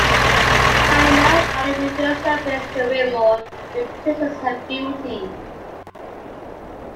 Hellena finally reveals her face to Willmore, who praises her beauty.